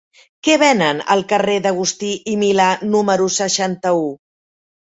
Què venen al carrer d'Agustí i Milà número seixanta-u?